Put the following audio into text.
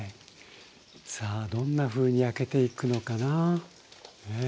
さあどんなふうに焼けていくのかな？